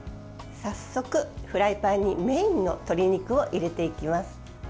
早速、フライパンにメインの鶏肉を入れていきます。